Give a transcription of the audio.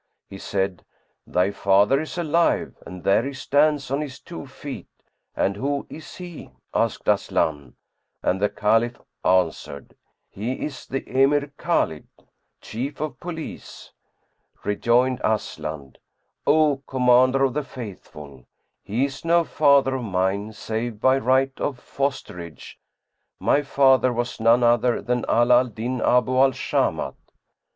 He said, "Thy father is alive and there he stands on his two feet." "And who is he?" asked Aslan, and the Caliph answered, "He is the Emir Khбlid, Chief of Police." Rejoined Aslan, "O Commander of the Faithful, he is no father of mine, save by right of fosterage; my father was none other than Ala al Din Abu al Shamat."